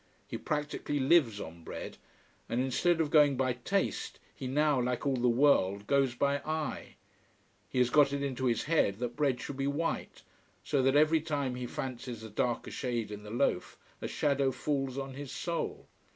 He practically lives on bread. And instead of going by taste, he now, like all the world, goes by eye. He has got it into his head that bread should be white, so that every time he fancies a darker shade in the loaf a shadow falls on his soul.